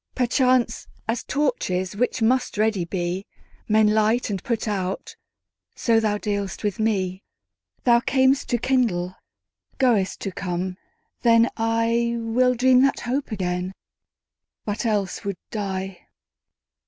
Perchance, as torches, which must ready be, Men light and put out, so thou dealst with me. Thou cam'st to kindle, goest to come: then IWill dream that hope again, but else would die.